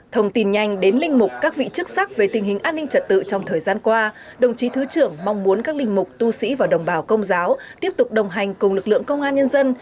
thông tin nhanh đến linh mục các vị chức sắc về tình hình an ninh trật tự trong thời gian qua đồng chí thứ trưởng mong muốn các linh mục tu sĩ và đồng bào công giáo tiếp tục đồng hành cùng lực lượng công an nhân dân